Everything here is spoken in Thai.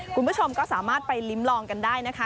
คุณผู้ชมก็สามารถไปลิ้มลองกันได้นะคะ